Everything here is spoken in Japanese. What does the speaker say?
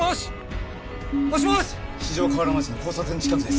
四条河原町の交差点近くです。